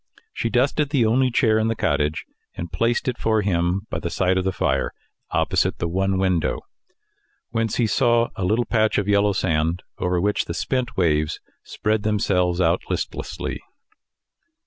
She dusted the only chair in the cottage, and placed it for him by the side of the fire, opposite the one window, whence he saw a little patch of yellow sand over which the spent waves spread themselves out listlessly.